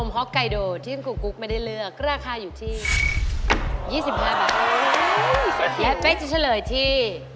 และเป๊กจะเฉลยที่